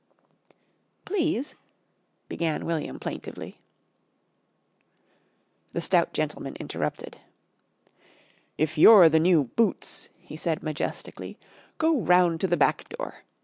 "Please " began William plaintively. The stout gentleman interrupted. "If you're the new Boots," he said majestically, "go round to the back door.